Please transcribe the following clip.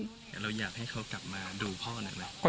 แต่เราอยากให้เขากลับมาดูพ่อหนัก